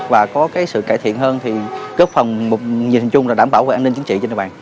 và có cái sự cải thiện hơn thì cơ phòng nhìn chung là đảm bảo về an ninh chính trị